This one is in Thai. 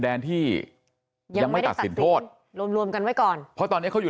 แดนที่ยังไม่ตัดสินโทษรวมรวมกันไว้ก่อนเพราะตอนเนี้ยเขาอยู่